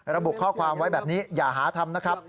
ระบุข้อความไว้แบบนี้อย่าหาทำนะครับ